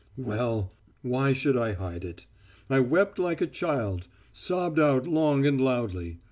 "Well, why should I hide it? I wept like a child; sobbed out, long and loudly.